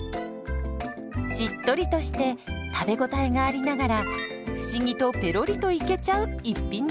しっとりとして食べ応えがありながら不思議とペロリといけちゃう逸品です。